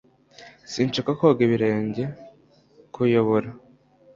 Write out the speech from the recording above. Sinshaka koga ibirenge. (_kuyobora)